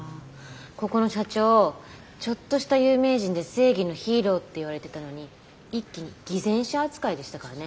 ここの社長ちょっとした有名人で正義のヒーローって言われてたのに一気に偽善者扱いでしたからね。